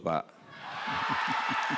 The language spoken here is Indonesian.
saya akan juga banyak menuduh